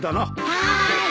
はい。